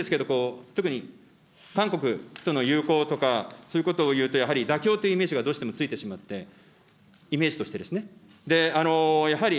残念ですけど、特に韓国との友好とか、そういうことを言うと、やはり妥協というイメージがどうしてもついてしまって、イメージとしてですね。